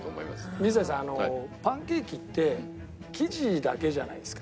水谷さんあのパンケーキって生地だけじゃないですか